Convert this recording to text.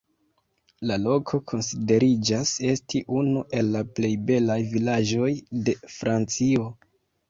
La loko konsideriĝas esti unu el la plej belaj vilaĝoj de Francio.